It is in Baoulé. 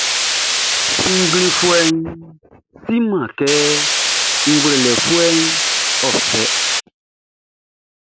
Sinnglinfuɛʼn siman kɛ ngwlɛlɛfuɛʼn fɛ.